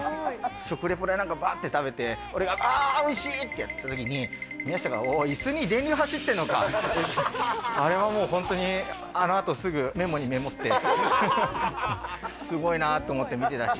食レポでなんかばーって食べて、俺がああ、おいしいってやったときに、宮下が、いすに電流走ってるのかって、あれはもう、本当に、あのあとすぐメモにメモって、すごいなと思って見てたし。